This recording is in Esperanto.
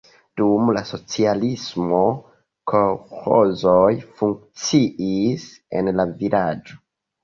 Dum la socialismo kolĥozoj funkciis en la vilaĝo.